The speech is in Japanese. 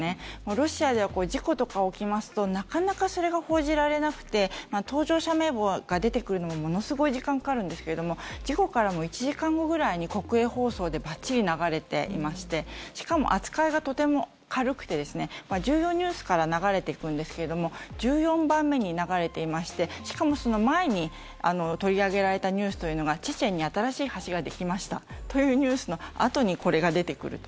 ロシアでは事故とかが起きますとなかなかそれが報じられなくて搭乗者名簿が出てくるのにものすごい時間がかかるんですが事故からもう１時間後くらいに国営放送でバッチリ流れていましてしかも扱いがとても軽くて重要ニュースから流れていくんですけれども１４番目に流れていましてしかもその前に取り上げられたニュースというのがチェチェンに新しい橋ができましたというニュースのあとにこれが出てくると。